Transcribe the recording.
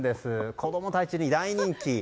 子供たちに大人気。